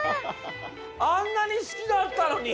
あんなに好きだったのに？